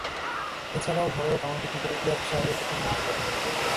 এছাড়াও ঘরোয়া কাউন্টি ক্রিকেটে ইয়র্কশায়ারের প্রতিনিধিত্ব করেন।